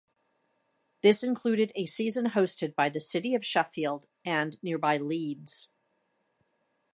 This included a season hosted by the city of Sheffield and nearby Leeds.